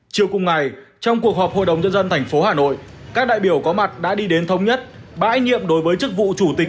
chiều cùng ngày trong cuộc họp hội đồng nhân dân tp hà nội các đại biểu có mặt đã đi đến thống nhất bãi nhiệm đối với chức vụ chủ tịch